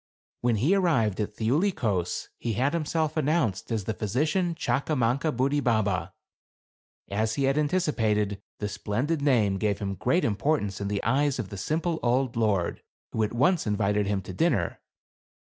When he arrived at Thiuli Kos, he had himself announced as the Physician Chakamankabudi baba. As he had anticipated, the splendid name gave him great importance in the eyes of the simple old lord, who at once invited him to dinner.